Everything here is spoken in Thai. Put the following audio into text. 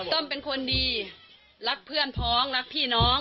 เป็นคนดีรักเพื่อนท้องรักพี่น้อง